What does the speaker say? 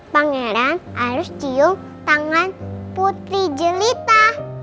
pangeran harus cium tangan putri jelita